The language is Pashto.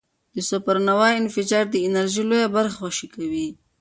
د سوپرنووا انفجار د انرژۍ لویه برخه خوشې کوي.